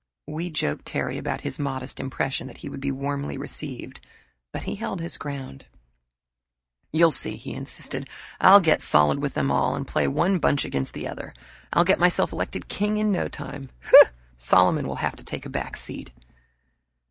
We joked Terry about his modest impression that he would be warmly received, but he held his ground. "You'll see," he insisted. "I'll get solid with them all and play one bunch against another. I'll get myself elected king in no time whew! Solomon will have to take a back seat!"